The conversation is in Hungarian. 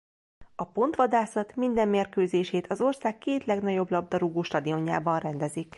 A pontvadászat minden mérkőzését az ország két legnagyobb labdarúgó-stadionjában rendezik.